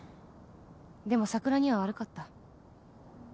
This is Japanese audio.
でも桜には悪かった。